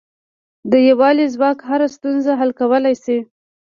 د یووالي ځواک هره ستونزه حل کولای شي.